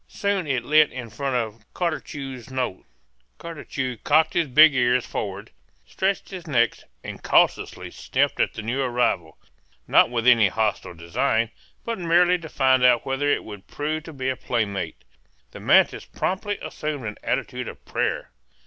Soon it lit in front of Cartucho's nose. Cartucho cocked his big ears forward, stretched his neck, and cautiously sniffed at the new arrival, not with any hostile design, but merely to find out whether it would prove to be a playmate. The mantis promptly assumed an attitude of prayer.